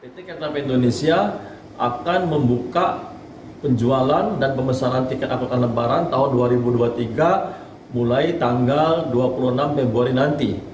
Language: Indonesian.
pt kereta api indonesia akan membuka penjualan dan pemesanan tiket angkutan lebaran tahun dua ribu dua puluh tiga mulai tanggal dua puluh enam februari nanti